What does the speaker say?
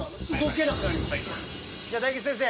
じゃあ大吉先生